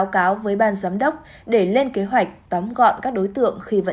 là phải bắt giữ giàng a đua